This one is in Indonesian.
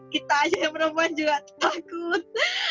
kita aja yang perempuan juga takut